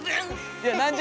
いや何着